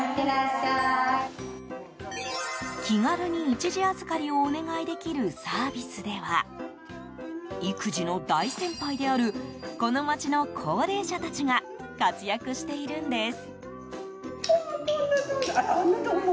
気軽に一時預かりをお願いできるサービスでは育児の大先輩であるこの町の高齢者たちが活躍しているんです。